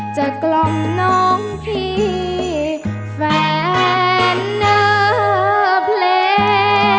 จะกล้องน้องพี่แฟนเผลม